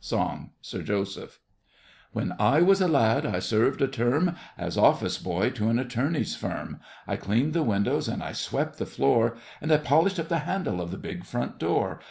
SONG — SIR JOSEPH When I was a lad I served a term As office boy to an Attorney's firm. I cleaned the windows and I swept the floor, And I polished up the handle of the big front door.